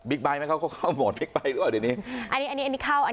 ส่วนสองตายายขี่จักรยานยนต์อีกคันหนึ่งก็เจ็บถูกนำตัวส่งโรงพยาบาลสรรค์กำแพง